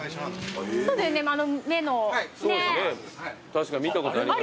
確か見たことあります